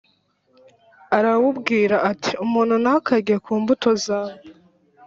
Arawubwira ati Umuntu ntakarye ku mbuto zawe